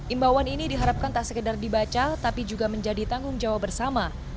imbauan ini diharapkan tak sekedar dibaca tapi juga menjadi tanggung jawab bersama